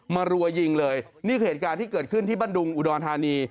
รัวยิงเลยนี่คือเหตุการณ์ที่เกิดขึ้นที่บ้านดุงอุดรธานี